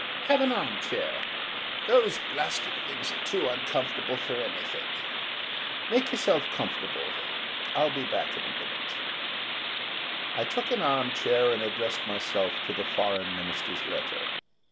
"Have an arm chair; those blasted things are too uncomfortable for anything. Make yourself comfortable. I'll be back in a minute." I took an arm chair and addressed myself to the Foreign Minister's letter.